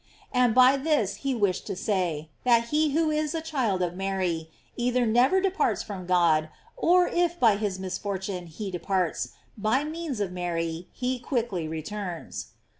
J And by this lie wished to say, that he who is a child of Mary, either never departs from God, or if for his misfortune he departs, by means of Mary he quickly returns.